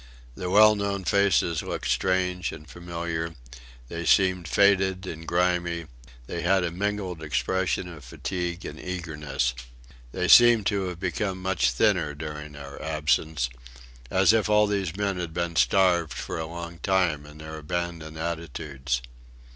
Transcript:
The well known faces looked strange and familiar; they seemed faded and grimy; they had a mingled expression of fatigue and eagerness. They seemed to have become much thinner during our absence, as if all these men had been starving for a long time in their abandoned attitudes.